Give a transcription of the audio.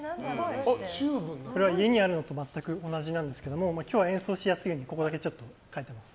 これは家にあるのと全く同じなんですけど今日は演奏しやすいようにここだけちょっと変えています。